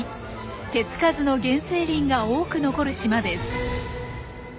手付かずの原生林が多く残る島です。